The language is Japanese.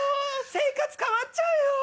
生活変わっちゃうよ！